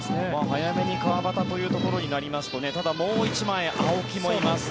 早めに川端というところになりますとただ、もう１枚青木もいます。